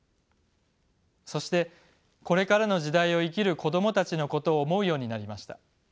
そしてこれからの時代を生きる子どもたちのことを思うようになりました。